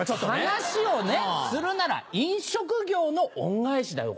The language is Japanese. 話をするなら「飲食業の恩返し」だよ。